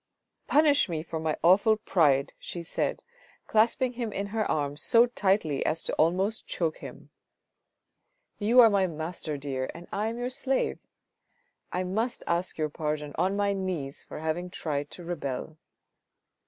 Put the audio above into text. " Punish me for my awful pride," she said to him, clasping him in her arms so tightly as almost to choke him. " You are my master, dear, I am your slave. I must ask your pardon on my knees for having tried to rebel."